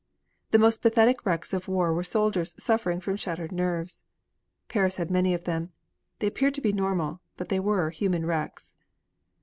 The most pathetic wrecks of war were soldiers suffering from shattered nerves. Paris had many of them. They appeared to be normal. But they were human wrecks.